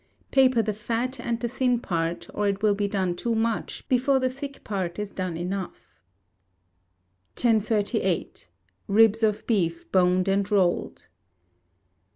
Paper the fat and the thin part, or it will be done too much, before the thick part is done enough. 1038. Ribs of Beef boned and rolled.